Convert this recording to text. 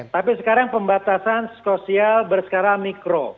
tapi sekarang pembatasan sosial berskala mikro